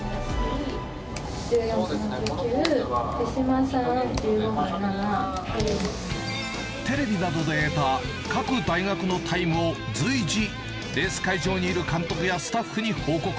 １４分４９、手島さん１５分テレビなどで得た各大学のタイムを随時、レース会場にいる監督やスタッフに報告。